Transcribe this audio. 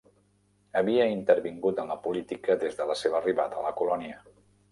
Havia intervingut en la política des de la seva arribada a la Colònia.